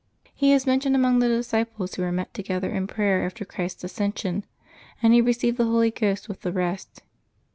He is mentioned among the disciples who were met together in prayer after Christ's ascension, and he received the Holy Ghost with the rest.